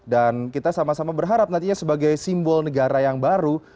dan kita sama sama berharap nantinya sebagai simbol negara yang baru